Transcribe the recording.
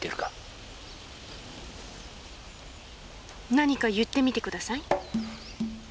何か言ってみてください。